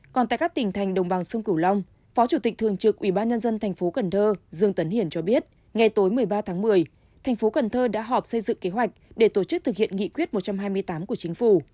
còn tại các tỉnh thành đồng bằng sơn cửu long phó chủ tịch thường trực ubnd tp cần thơ dương tấn hiển cho biết ngày tối một mươi ba tháng một mươi tp cần thơ đã họp xây dựng kế hoạch để tổ chức thực hiện nghị quyết một trăm hai mươi tám của chính phủ